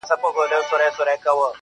په دې پردي وطن كي.